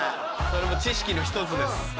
それも知識の一つです。